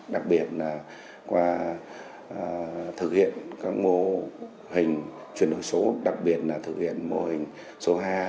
đặc biệt là qua thực hiện các mô hình chuyển đổi số đặc biệt là thực hiện mô hình số hai